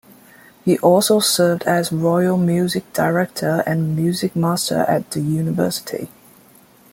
He also served as royal music-director and music master at the university.